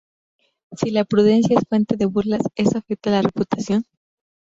Si la prudencia es fuente de burlas, ¿eso afecta la reputación?